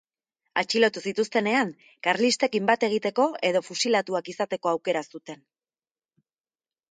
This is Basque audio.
Atxilotu zituztenean, karlistekin bat egiteko edo fusilatuak izateko aukera zuten.